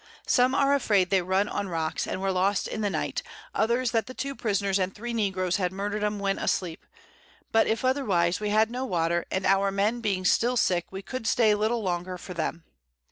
Some are afraid they run on Rocks, and were lost in the Night, others that the 2 Prisoners and 3 Negroes had murder'd 'em when asleep; but if otherwise, we had no Water, and our Men being still sick, we could stay little longer for them.